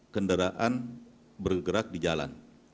kendaraan bergerak di jalan